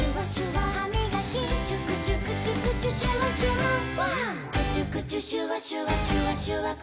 はい。